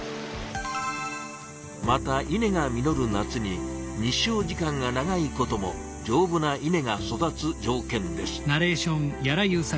また稲が実る夏に日照時間が長いこともじょうぶな稲が育つ条件です。